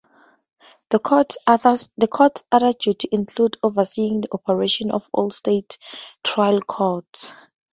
The Court's other duties include overseeing the operations of all state trial courts.